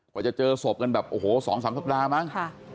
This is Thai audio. จะเจอศพกันแบบโอ้โห๒๓สัปดาห์มั้ง